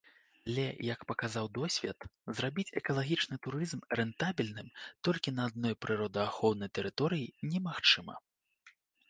Але, як паказаў досвед, зрабіць экалагічны турызм рэнтабельным толькі на адной прыродаахоўнай тэрыторыі немагчыма.